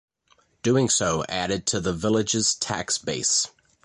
Doing so added to the village's tax base.